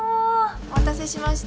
お待たせしました。